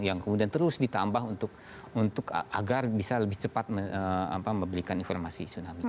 yang kemudian terus ditambah untuk agar bisa lebih cepat memberikan informasi tsunami